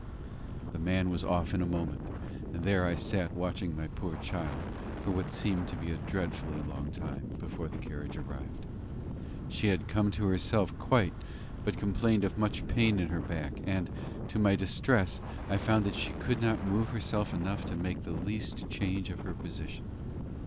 The man was off in a moment; and there I sat watching my poor child, for what seemed to be a dreadfully long time before the carriage arrived. She had come to herself quite, but complained of much pain in her back; and, to my distress, I found that she could not move herself enough to make the least change of her position.